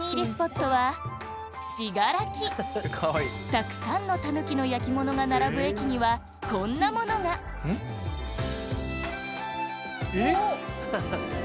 スポットは信楽たくさんのタヌキの焼き物が並ぶ駅にはこんなものがん？